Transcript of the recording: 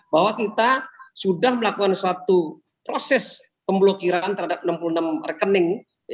bahwa kita sudah melakukan suatu proses pemblokiran terhadap enam puluh enam rekening